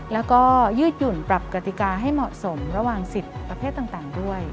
แล้วก็ยืดหยุ่นปรับกติกาให้เหมาะสมระหว่างสิทธิ์ประเภทต่างด้วย